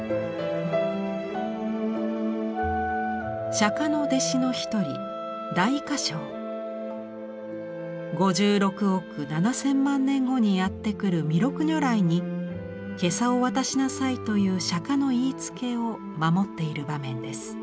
釈の弟子の一人５６億７，０００万年後にやって来る弥勒如来に袈裟を渡しなさいという釈迦の言いつけを守っている場面です。